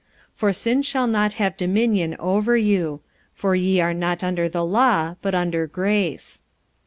45:006:014 For sin shall not have dominion over you: for ye are not under the law, but under grace.